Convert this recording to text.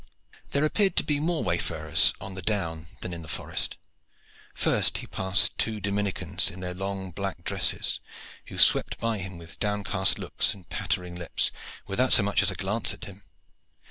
There appeared to be more wayfarers on the down than in the forest. First he passed two Dominicans in their long black dresses, who swept by him with downcast looks and pattering lips, without so much as a glance at him.